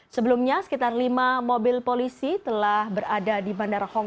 sebelumnya sekitar lima mobil polisi telah berada di bandara hongko